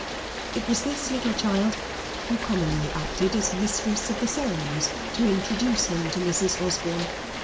It was this little child who commonly acted as mistress of the ceremonies to introduce him to Mrs. Osborne.